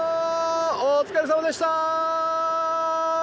お疲れさまでした！